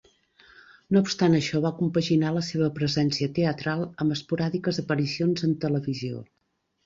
No obstant això va compaginar la seva presència teatral amb esporàdiques aparicions en televisió.